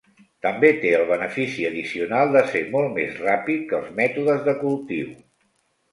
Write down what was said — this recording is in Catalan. També té el benefici addicional de ser molt més ràpid que els mètodes de cultiu.